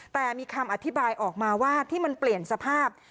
แต่มีคำอธิบายออกมาว่าที่มันเปลี่ยนสภาพ